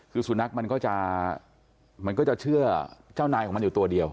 คือสุนัขมันก็จะมันก็จะเชื่อเจ้านายของมันอยู่ตัวเดียว